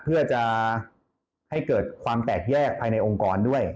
เพื่อจะให้เกิดความแตกแยกภายในองค์กรด้วย